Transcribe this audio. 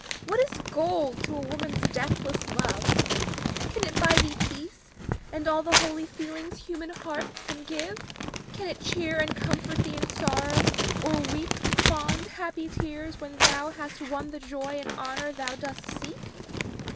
What is gold to a woman's deathless love? Can it buy thee peace and all the holy feelings human hearts can give? Can it cheer and comfort thee in sorrow, or weep fond, happy tears when thou hast won the joy and honor thou dost seek?